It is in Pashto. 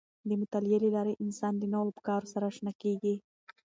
د مطالعې له لارې انسان د نوو افکارو سره آشنا کیږي.